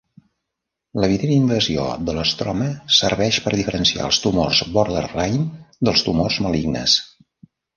L'evident invasió de l'estroma serveix per diferenciar els tumors borderline dels tumors malignes.